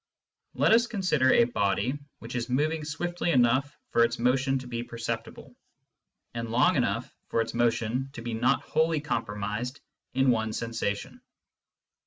Let us consider a body which is moving swiftly enough for its motion to be perceptible, and long enough for its motion to be not wholly comprised in one sensation.